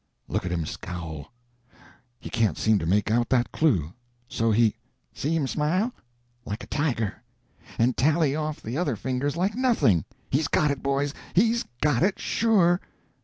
"Look at him scowl! He can't seem to make out that clue. So he " "See him smile! like a tiger and tally off the other fingers like nothing! He's got it, boys; he's got it sure!"